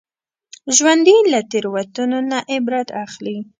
ژوندي له تېروتنو نه عبرت اخلي